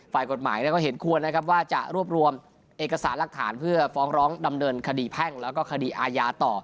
ฝ่ายกฎหมายก็เห็นควรนะครับว่าจะรวบรวมเอกสารหลักฐานเพื่อฟ้องร้องดำเนินคดีแพ่งแล้วก็คดีอาญาต่อ